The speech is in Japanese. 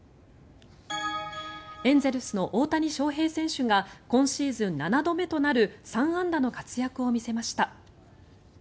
エンゼルスの大谷翔平選手が今シーズン７度目となる３安打の活躍を見せました。